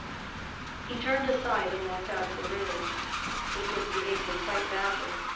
He turned aside and walked out of the room. This was behaving quite badly.